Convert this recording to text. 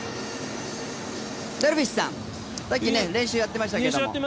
ダルビッシュさん、さっき練習やってましたけど。